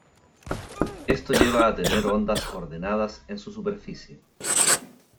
Esto lleva a tener ondas ordenadas en su superficie.